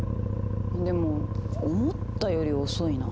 でも思ったより遅いな。